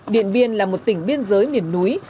điện biên là một tỉnh biên giới miền núi